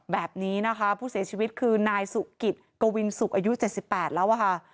แบบนี้นะคะผู้เสียชีวิตคือนายสุกิตกวินสุกอายุ๗๘แล้วอะค่ะ